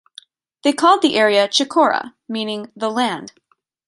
They called the area "Chicora", meaning "the land".